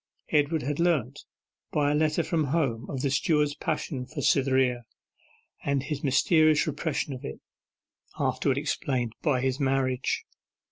Edward had learnt, by a letter from home, of the steward's passion for Cytherea, and his mysterious repression of it, afterwards explained by his marriage.